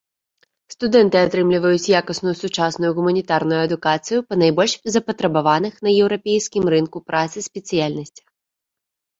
Студэнты атрымліваюць якасную сучасную гуманітарную адукацыю па найбольш запатрабаваных на еўрапейскім рынку працы спецыяльнасцях.